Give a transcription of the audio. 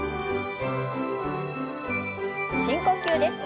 深呼吸です。